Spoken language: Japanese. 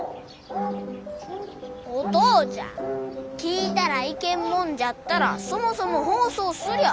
お父ちゃん聴いたらいけんもんじゃったらそもそも放送すりゃあ